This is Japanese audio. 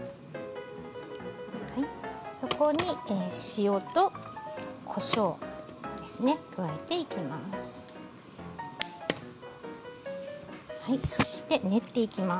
そこに塩とこしょうを加えていきます。